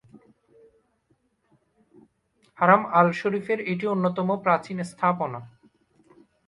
হারাম আল শরিফের এটি অন্যতম প্রাচীন স্থাপনা।